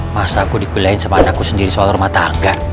masa aku digolahin sama anakku sendiri soal rumah tangga